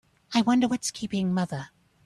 I wonder what's keeping mother?